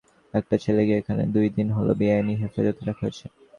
একটা ছেলেকে এখানে দুই দিন হলো বেআইনি হেফাজতে রাখা হয়েছে।